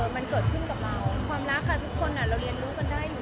ไม่ใช่ว่าไม่เชื่อค่ะพี่